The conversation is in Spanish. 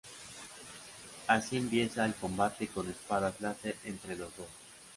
Así empieza el combate con espadas láser entre los dos.